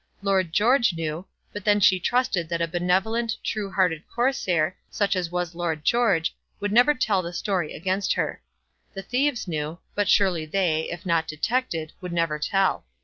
Lord George knew, but then she trusted that a benevolent, true hearted Corsair, such as was Lord George, would never tell the story against her. The thieves knew, but surely they, if not detected, would never tell.